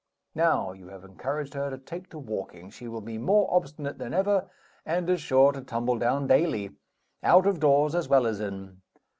Now you have encouraged her to take to walking, she will be more obstinate than ever, and is sure to tumble down daily, out of doors as well as in.